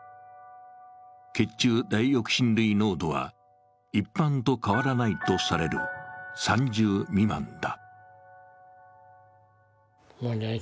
血中ダイオキシン類濃度は一般と変わらないとされる３０未満だ。